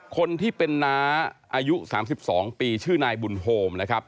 คนที่เป็นน้าอายุ๓๒ปีชื่อนายบุญโฮมนะครับ